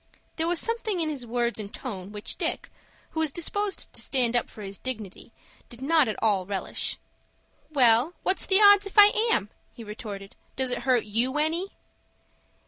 There was something in his words and tone, which Dick, who was disposed to stand up for his dignity, did not at all relish. "Well, what's the odds if I am?" he retorted. "Does it hurt you any?"